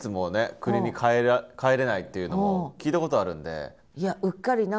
国に帰れないっていうのも聞いたことあるんで。